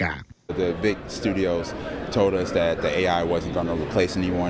yakini khawatir kehadiran ai bisa semakin menyuburkan phk